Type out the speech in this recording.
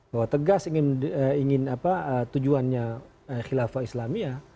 bahwa tegas ingin tujuannya khilafah islamia